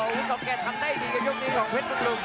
สมิงของแกทำได้ดีกับยกนี้ของเพชรมึงลุง